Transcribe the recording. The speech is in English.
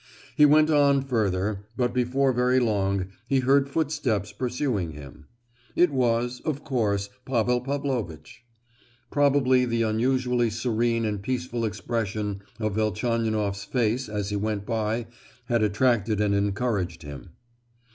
He went on further, but before very long he heard footsteps pursuing him. It was, of course, Pavel Pavlovitch. Probably the unusually serene and peaceful expression of Velchaninoff's face as he went by had attracted and encouraged him.